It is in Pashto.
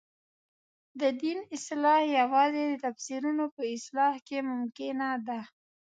د دین اصلاح یوازې د تفسیرونو په اصلاح کې ممکنه ده.